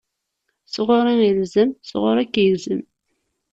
S ɣuṛ-i ilzem, s ɣuṛ-k igzem.